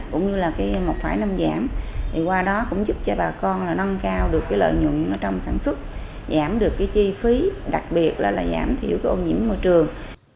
cũng như là một năm giảm qua đó cũng giúp cho bà con nâng cao được lợi nhuận trong sản xuất giảm được chi phí đặc biệt là giảm thiểu ô nhiễm môi trường